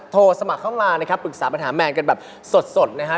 โทรสมัครเข้ามานะครับปรึกษาปัญหาแมนกันแบบสดนะฮะ